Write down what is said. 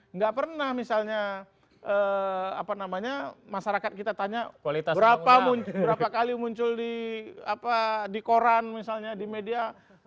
nggak pernah misalnya masyarakat kita tanya berapa kali muncul di koran misalnya di media